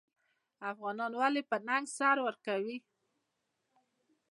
افغانان ولې په ننګ سر ورکوي؟